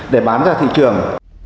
để bán ra thị trường